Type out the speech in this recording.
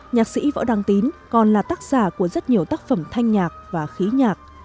nhạc sĩ võ đăng tín còn là tác giả của rất nhiều tác phẩm thanh nhạc và khí nhạc